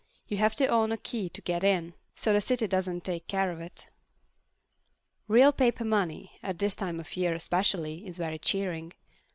You have to own a key to get in, so the city doesn't take care of it. Real paper money, at this time of year especially, is very cheering.